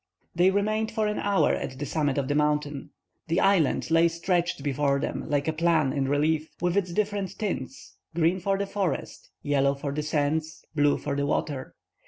They remained for an hour at the summit of the mountain. The island lay stretched before them like a plan in relief, with its different tints, green for the forests, yellow for the sands, blue for the water.